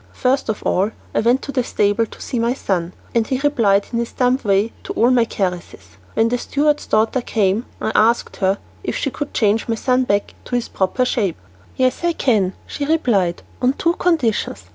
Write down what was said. First of all I went to the stable to see my son, and he replied in his dumb way to all my caresses. When the steward's daughter came I asked her if she could change my son back to his proper shape." "Yes, I can," she replied, "on two conditions.